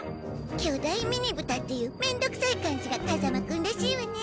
巨大ミニブタっていう面倒くさい感じが風間くんらしいわね。